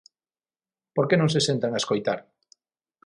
¿Por que non se sentan a escoitar?